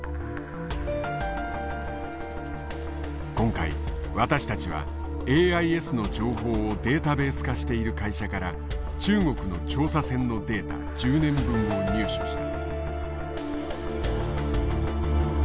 今回私たちはＡＩＳの情報をデータベース化している会社から中国の調査船のデータ１０年分を入手した。